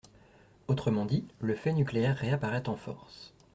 Autrement dit, le fait nucléaire réapparaît en force.